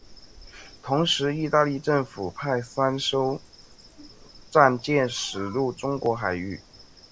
同时意大利政府派三艘战舰驶进中国海域。